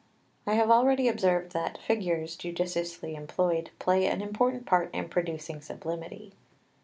I have already observed that figures, judiciously employed, play an important part in producing sublimity.